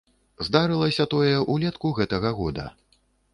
Здарылася тое ўлетку гэтага года.